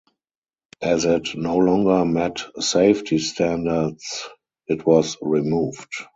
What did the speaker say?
As it no longer met safety standards it was removed.